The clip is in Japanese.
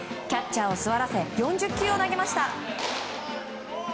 キャッチャーを座らせ４０球を投げました。